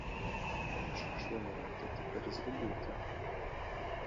Що ж ви можете тепер зробити?!